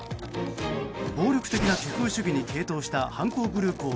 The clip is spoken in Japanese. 暴力的な極右主義に傾倒した犯行グループを